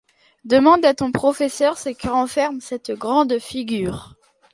Demande à ton professeur ce que renferme cette grande figure.